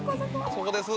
そこです！